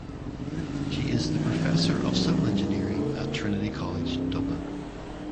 She is the Professor of Civil Engineering at Trinity College Dublin.